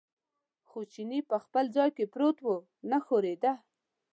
خو چیني په خپل ځای کې پروت و، نه ښورېده.